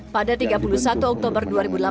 pada tiga puluh satu oktober dua ribu delapan belas